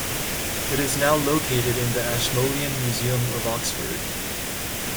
It is now located in the Ashmolean Museum of Oxford.